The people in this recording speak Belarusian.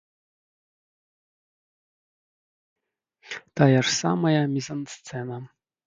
Тая ж самая мізансцэна.